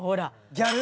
ギャル。